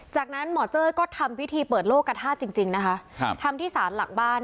จากนั้นหมอเจ้ยก็ทำพิธีเปิดโลกกระทาสจริงนะคะทำที่สารหลักบ้าน